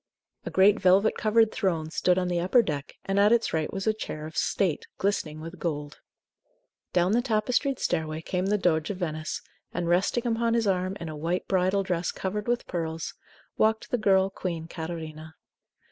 A great velvet covered throne stood on the upper deck, and at its right was a chair of state, glistening with gold. Down the tapestried stairway came the Doge of Venice, and, resting upon his arm, in a white bridal dress covered with pearls, walked the girl queen Catarina.